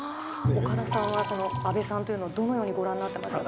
岡田さんは、その阿部さんというのをどのようにご覧になっていましたか？